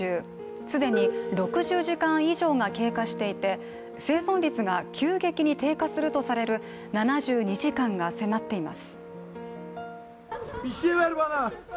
既に６０時間以上が経過していて生存率が急激に低下されるとされる７２時間が迫っています。